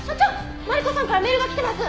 マリコさんからメールが来てます！